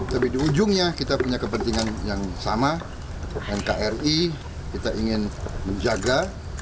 tapi di ujungnya kita punya kepentingan yang sama nkri kita ingin menjaga